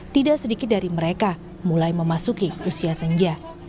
tidak sedikit dari mereka mulai memasuki usia senja